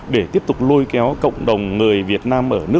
là tiếp tục mở rộng địa bàn